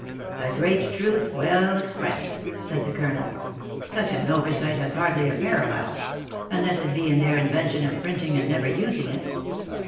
" A great truth well expressed," said the colonel. " Such an oversight has hardly a parallel ; unless it be in their invention of printing and never using it.